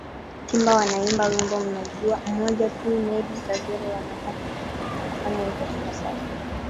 Simba wanaimba wimbo mmoja tu Meddie Kagere Wana haki ya kufanya hivyo kwa sasa